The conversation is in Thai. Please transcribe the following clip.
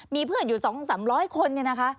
มีเพื่อนอยู่๒๓๐๐คนเนี่ยนะคะ